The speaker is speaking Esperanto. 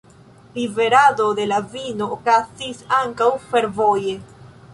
Liverado de la vino okazis ankaŭ fervoje.